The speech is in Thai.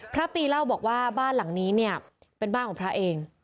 พระปีเล่าบอกว่าบ้านหลังนี้เนี่ยเป็นบ้านของพระเอง